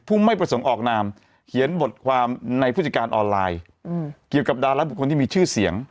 ไม่ประสงค์ออกนามเขียนบทความในผู้จัดการออนไลน์เกี่ยวกับดาราบุคคลที่มีชื่อเสียง